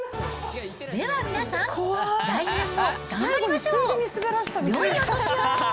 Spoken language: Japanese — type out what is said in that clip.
では皆さん、来年も頑張りましょう。